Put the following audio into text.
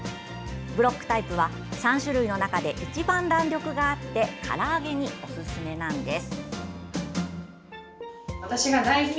ブロックタイプは３種類の中で一番弾力があってから揚げにおすすめなんです。